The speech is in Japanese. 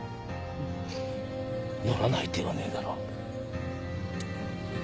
フッ乗らない手はねえだろ？